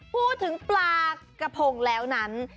พูดถึงปลากระพงแล้วนั้น